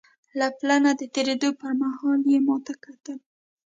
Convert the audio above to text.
له پله نه د تېرېدو پر مهال یې ما ته کتل.